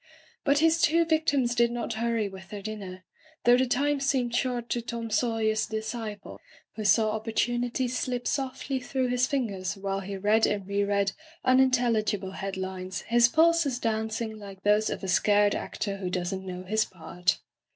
But his two victims did not hurry with their dinner, though the time seemed short to Tom Sawyer's disciple, who saw oppor tunity slip sofdy through his fingers while he read and reread unintelligible head lines, his pulses dancing, like those of a scared actor who does not know his part.